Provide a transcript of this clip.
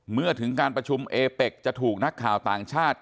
เมื่อถึงการประชุมเอเป็กจะถูกนักข่าวต่างชาติ